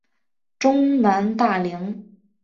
中南大羚。